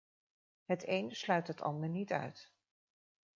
Het een sluit het ander niet uit.